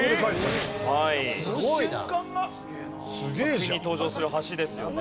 作品に登場する橋ですよね。